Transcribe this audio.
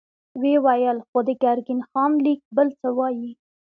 ويې ويل: خو د ګرګين خان ليک بل څه وايي.